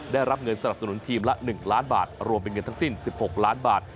ได้รับเงินสนับสนุนทีมละ๑ล้านบาทรวมเป็นเงินทั้งสิ้น๑๖ล้านบาท